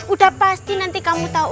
udah pasti nanti kamu tau nih